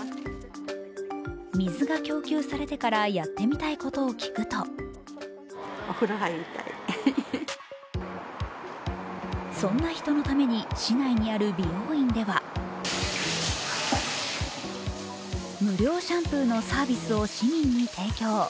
水が供給されてからやってみたいことを聞くとそんな人のために市内にある美容院では無料シャンプーのサービスを市民に提供。